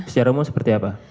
secara umum seperti apa